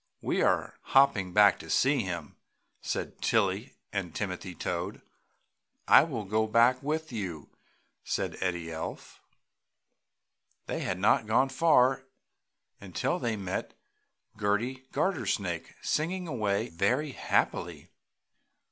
"We are hopping back to see him," said Tilly and Timothy Toad. "I will go back with you!" said Eddie Elf. They had not gone far until they met Gerty Gartersnake, singing away very happily.